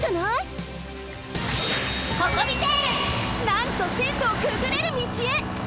なんとせんろをくぐれる道へ！